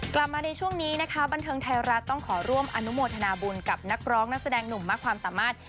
กลับมาในช่วงนี้นะคะบันเทิงไทยรัฐต้องขอร่วมอนุโมทนาบุญกับนักร้องนักแสดงหนุ่มมากความสามารถ